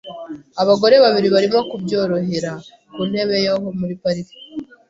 Abagore babiri barimo kubyorohera ku ntebe yo muri parike .